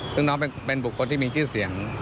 ซึ่งน้องเป็นบุคคลที่มีชื่อเสียง